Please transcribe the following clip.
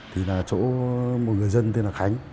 thì là chỗ một người dân tên là khánh